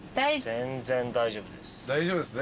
全然大丈夫です。